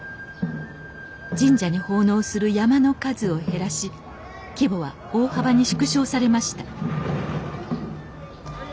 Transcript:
神社に奉納する山車の数を減らし規模は大幅に縮小されました